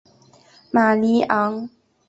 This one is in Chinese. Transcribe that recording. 马尼昂。